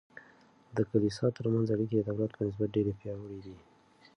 د کلیسا ترمنځ اړیکې د دولت په نسبت ډیر پیاوړي دي.